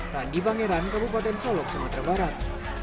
randi pangeran kabupaten solok sumatera barat